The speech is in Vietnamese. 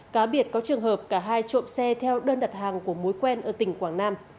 cá biệt có trường hợp cả hai trộm xe theo đơn đặt hàng của mối quen ở tỉnh quảng nam